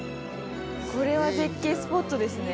これは絶景スポットですね